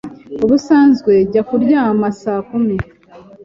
Ubusanzwe njya kuryama saa kumi.